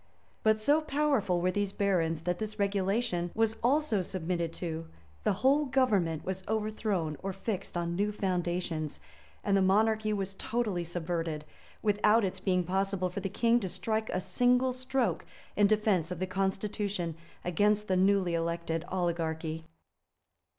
But so powerful were these barons, that this regulation was also submitted to; the whole government was overthrown or fixed on new foundations; and the monarchy was totally subverted, without its being possible for the king to strike a single stroke in defence of the constitution against the newly erected oligarchy.